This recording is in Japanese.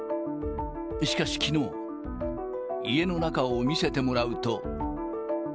しかしきのう、家の中を見せてもらうと。